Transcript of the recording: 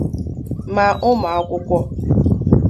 ma ụmụakwụkwọ